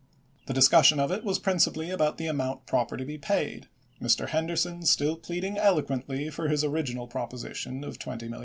The discussion of it was principally about the amount proper to be paid, Mr. Henderson still pleading eloquently for his original proposition of $20,000,000.